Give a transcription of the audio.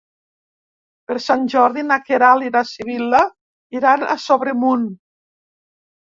Per Sant Jordi na Queralt i na Sibil·la iran a Sobremunt.